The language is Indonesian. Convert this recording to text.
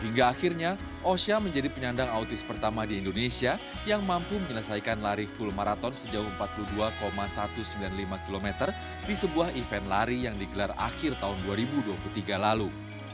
hingga akhirnya osha menjadi penyandang autis pertama di indonesia yang mampu menyelesaikan lari full marathon sejauh empat puluh dua satu ratus sembilan puluh lima km di sebuah event lari yang digelar akhir tahun dua ribu dua puluh tiga lalu